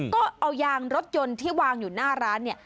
ก็เอายางรถยนต์ที่วางอยู่หน้าร้านเนี่ย